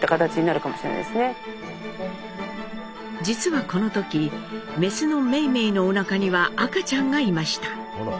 実はこの時メスの梅梅のおなかには赤ちゃんがいました。